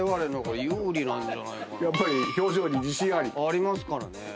ありますからね。